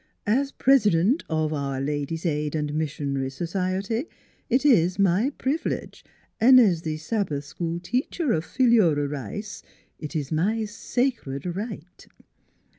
" As president of our Ladies' Aid and Mis sion ary So ciety it is my priv'lege, an' as the Sab bath School teacher of Philura Rice it is my sacred right.'